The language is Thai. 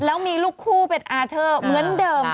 แล้วมีลูกคู่เป็นอาเทอร์เหมือนเดิม